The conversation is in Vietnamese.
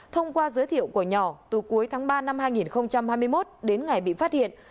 thông qua giới thiệu của nhỏ từ cuối tháng ba năm hai nghìn hai mươi một đến ngày bị phát hiện